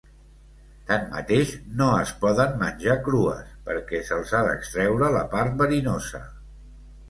Tanmateix, no es poden menjar crues perquè se'ls ha d'extreure la part verinosa.